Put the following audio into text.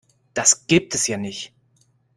Das gibt es ja nicht!